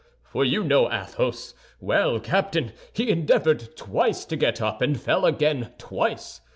For you know Athos. Well, Captain, he endeavored twice to get up, and fell again twice.